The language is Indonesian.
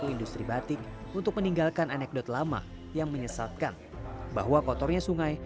industri batik untuk meninggalkan anekdot lama yang menyesatkan bahwa kotornya sungai